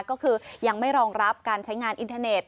ก็คือยังไม่รองรับการใช้งานอินเทอร์เน็ต